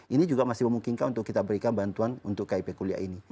ini juga masih memungkinkan untuk kita berikan bantuan untuk kip kuliah ini